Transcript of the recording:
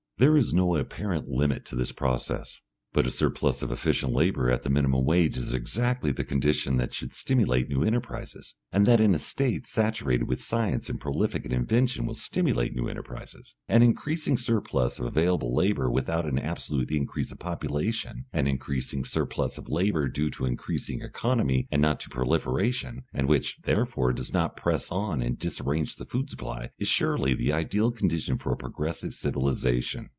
There is no apparent limit to this process. But a surplus of efficient labour at the minimum wage is exactly the condition that should stimulate new enterprises, and that in a State saturated with science and prolific in invention will stimulate new enterprises. An increasing surplus of available labour without an absolute increase of population, an increasing surplus of labour due to increasing economy and not to proliferation, and which, therefore, does not press on and disarrange the food supply, is surely the ideal condition for a progressive civilisation.